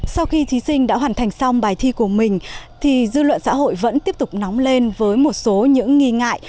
sau khi thí sinh đã hoàn thành xong bài thi của mình thì dư luận xã hội vẫn tiếp tục nóng lên với một số những nghi ngại